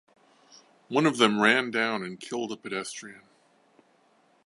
One of them ran down and killed a pedestrian.